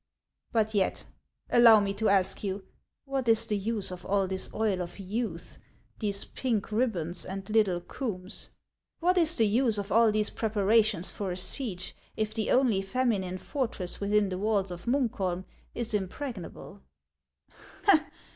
But yet, allow me t<> ask you, what is the use of all this Oil of Youth, these pink ribbons, and little combs ? What is the use of all these preparations for a siege, if the only feminine fortress within the walls of Munkholm is impregnable